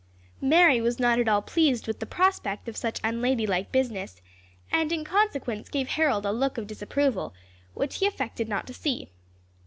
Mary was not at all pleased with the prospect of such unladylike business, and in consequence gave Harold a look of disapproval, which he affected not to see.